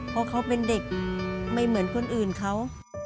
เพราะเขาเป็นเด็กไม่เหมือนคนอื่นเขา